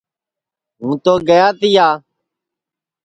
ہوں تو گیا تیا